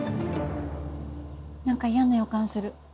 何か嫌な予感する。